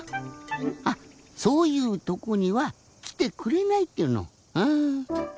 あっそういうとこにはきてくれないっていうのああ。